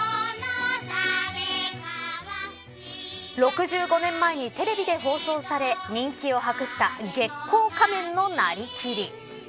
６５年前にテレビで放送され人気を博した月光仮面のなりきり。